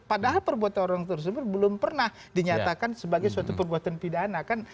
padahal perbuatan orang tersebut belum pernah dinyatakan sebagai suatu perbuatan pidana kan